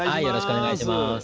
よろしくお願いします。